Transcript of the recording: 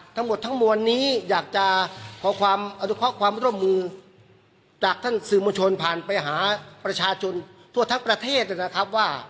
ทั้งหมดทั้งมวลนี้อยากจะขอความอนุเคราะห์ความร่วมมือจากท่านสื่อมวลชนผ่านไปหาประชาชนทั่วทั้งประเทศนะครับว่า